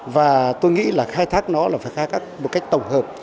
và tôi nghĩ là khai thác nó là phải khai thác một cách tổng hợp